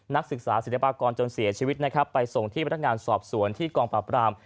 นักศึกษาศิลปากรจนเสียชีวิตนะครับไปส่งที่พนักงานสอบสวนที่กองปราบราม